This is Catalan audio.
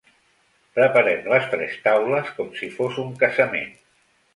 Preparem les tres taules com si fos un casament.